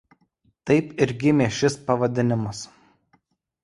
Taip ir gimė šis pavadinimas.